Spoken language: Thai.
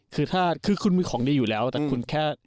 คือถ้าคือคุณมีของดีอยู่แล้วแต่คุณแค่